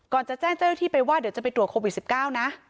จะแจ้งเจ้าหน้าที่ไปว่าเดี๋ยวจะไปตรวจโควิด๑๙นะ